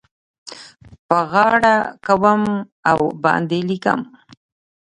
په غاړه کوم او باندې لیکم